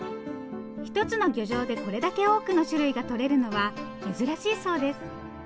一つの漁場でこれだけ多くの種類がとれるのは珍しいそうです。